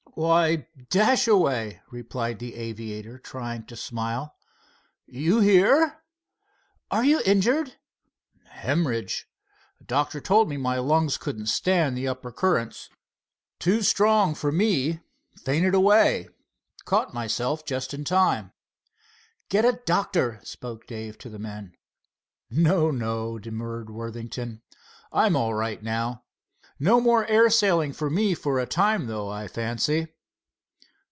"Why, Dashaway!" replied the aviator, trying to smile. "You here?" "Are you injured?" "Hemorrhage, Doctor told me my lungs couldn't stand the upper currents. Too strong for me. Fainted away. Caught myself just in time." "Get a doctor," spoke Dave to the men. "No, no," demurred Worthington. "I'm all right now. No more air sailing for me for a time, though, I fancy.